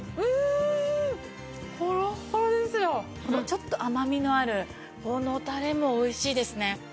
ちょっと甘みのあるこのタレもおいしいですね。